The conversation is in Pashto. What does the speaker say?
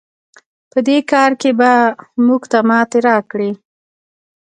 په دې کار کې به موږ ته ماتې راکړئ.